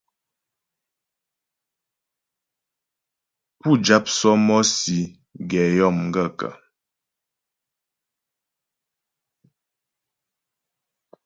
Pú jáp sɔ́mɔ́sì gɛ yó m gaə̂kə́ ?